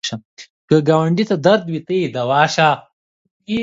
که ګاونډي ته درد وي، ته یې دوا شه